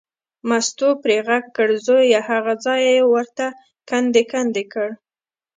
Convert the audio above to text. مستو پرې غږ کړ، زویه هغه ځای یې ورته کندې کندې کړ.